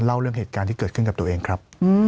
เล่าเรื่องเหตุการณ์ที่เกิดขึ้นกับตัวเองครับ